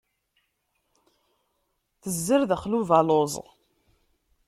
Tezzer daxel ubaluṣ.